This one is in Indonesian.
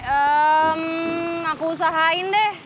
hmm aku usahain deh